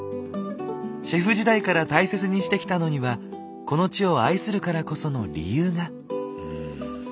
シェフ時代から大切にしてきたのにはこの地を愛するからこその理由が。